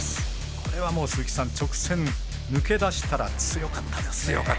これはもう鈴木さん直線、抜けだしたら強かったですね。